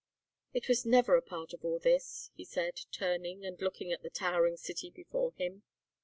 "It was never a part of all this," he said, turning and looking at the towering city before him.